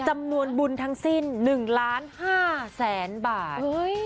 จำนวนบุญทั้งสิ้น๑ล้าน๕แสนบาท